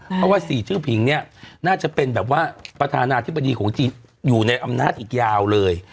เพราะว่า๔ชื่อผิงเนี่ยน่าจะเป็นแบบว่าประธานาธิบดีของจีนอยู่ในอำนาจอีกยาวเลย